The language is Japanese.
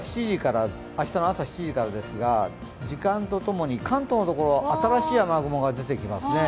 明日の朝７時からですが時間とともに関東の所、新しい雨雲が出てきますね。